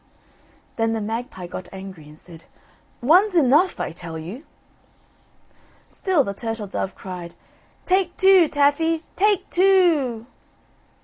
Then the magpie got angry and said: "One's enough I tell you." Still the turtle dove cried: "Take two, Taffy, take two o o o."